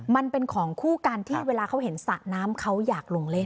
มันเป็นของคู่กันที่เวลาเขาเห็นสระน้ำเขาอยากลงเล่น